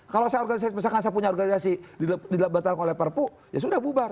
kalau saya misalkan saya punya organisasi dibatalkan oleh perpu ya sudah bubar